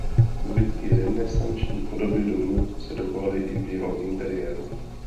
Zbytky renesanční podoby domu se dochovaly i v jeho interiéru.